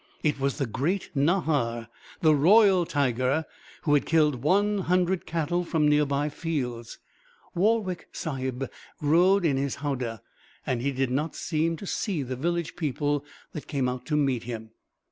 It was the great Nahar, the royal tiger, who had killed one hundred cattle from near by fields. Warwick Sahib rode in his howdah, and he did not seem to see the village people that came out to meet him.